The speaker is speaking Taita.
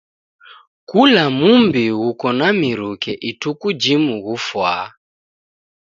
Kula mumbi ghuko na miruke ituku jimu ghufwaa.